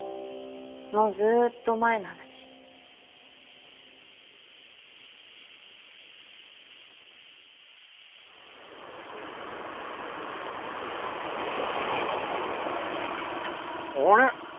もうずっと前の話あれ？